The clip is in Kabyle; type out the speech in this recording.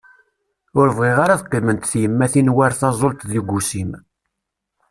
Ur bɣiɣ ara ad qqiment tyemmatin war taẓult d ugusim.